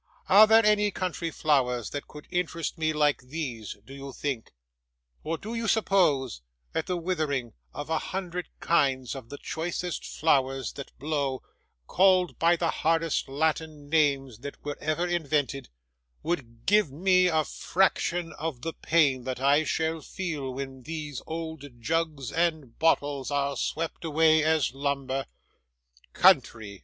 Are there any country flowers that could interest me like these, do you think? Or do you suppose that the withering of a hundred kinds of the choicest flowers that blow, called by the hardest Latin names that were ever invented, would give me one fraction of the pain that I shall feel when these old jugs and bottles are swept away as lumber? Country!